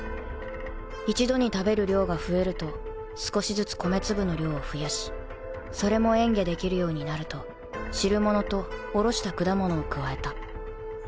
一度に食べる量が増えると少しずつ米粒の量を増やしそれも嚥下できるようになると汁物とおろした果物を加えた